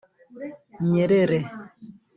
Nyerere